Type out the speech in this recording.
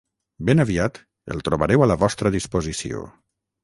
Ben aviat el trobareu a la vostra disposició.